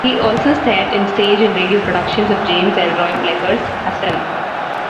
He also starred in stage and radio productions of James Elroy Flecker's "Hassan".